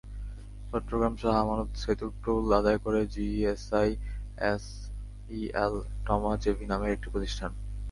চট্টগ্রাম শাহ আমানত সেতুর টোল আদায় করে জিএসআই-এসইএল টমা-জেভি নামের একটি প্রতিষ্ঠান।